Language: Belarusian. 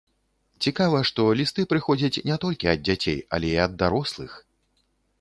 Цікава, што лісты прыходзяць не толькі ад дзяцей, але і ад дарослых!